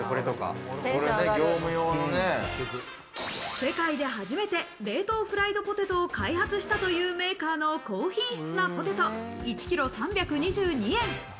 世界で初めて冷凍フライドポテトを開発したというメーカーの高品質なポテト、１ｋｇ、３２２円。